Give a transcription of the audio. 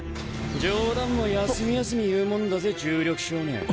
冗談も休み休み言うもんだぜ重力少年。